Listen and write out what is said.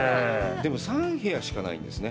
でも３部屋しかないんですね。